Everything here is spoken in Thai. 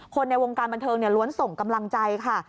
ในวงการบันเทิงล้วนส่งกำลังใจค่ะ